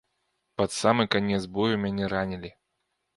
Пад самы канец бою мяне ранілі.